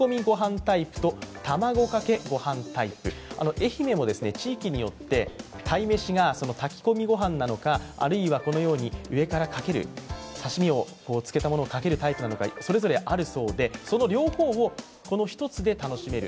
愛媛も地域によって鯛めしが炊き込みごはんなのか、あるいはこのように上からかける刺身を漬けたものをかけるタイプなのかそれぞれあるそうでその両方を一つで楽しめる。